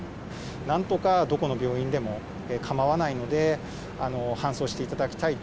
なんとかどこの病院でも構わないので、搬送していただきたいと